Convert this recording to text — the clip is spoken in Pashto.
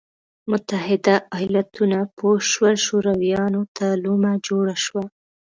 متحده ایالتونه پوه شول شورویانو ته لومه جوړه شوه.